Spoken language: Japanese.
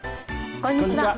こんにちは。